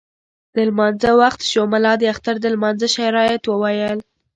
د لمانځه وخت شو، ملا د اختر د لمانځه شرایط وویل.